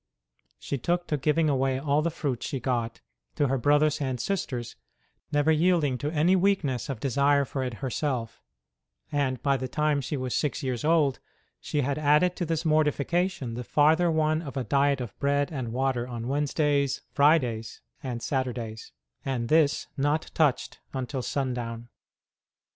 She took to giving away all the fruit she got to her brothers and sisters, never yielding to any weakness of desire for it herself ; and by the time she was six years old she had added to this mortification the farther one of a diet of bread and water on Wednesdays, Fridays and Saturdays, and this not touched until sundown.